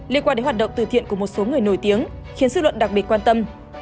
liên quan đến hoạt động từ thiện của một số người nổi tiếng khiến dư luận đặc biệt quan tâm